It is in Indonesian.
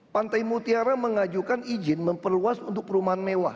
pantai mutiara mengajukan izin memperluas untuk perumahan mewah